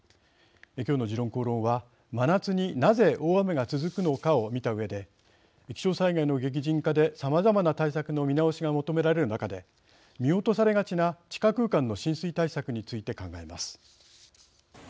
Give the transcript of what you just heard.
今日の「時論公論」は真夏になぜ大雨が続くのかを見たうえで気象災害の激甚化でさまざまな対策の見直しが求められる中で見落とされがちな地下空間の浸水対策について考えます。